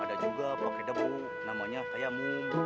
ada juga pake debu namanya kayak mu